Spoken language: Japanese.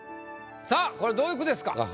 さぁこれどういう句ですか？